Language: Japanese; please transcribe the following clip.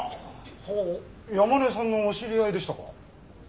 ほう山根さんのお知り合いでしたか？